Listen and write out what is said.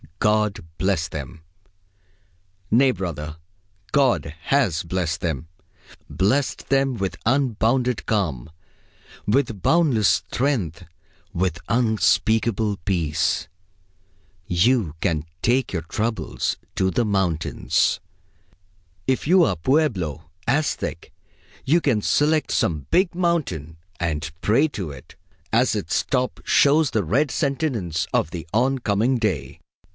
God bless them! Nay, brother, God has blessed them; blessed them with unbounded calm, with boundless strength, with unspeakable peace. You can take your troubles to the mountains. If you are Pueblo, Aztec, you can select some big mountain and pray to it, as its top shows the red sentience of the on coming day.